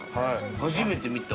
初めて見た。